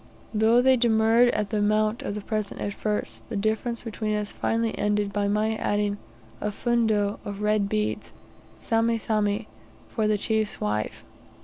Though they demurred at the amount of the present at first, the difference between us was finally ended by my adding a fundo of red beads sami sami for the chief's wife.